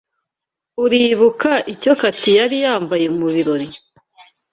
Uribuka icyo Cathy yari yambaye mubirori?